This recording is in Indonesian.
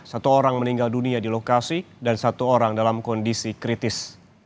satu orang meninggal dunia di lokasi dan satu orang dalam kondisi kritis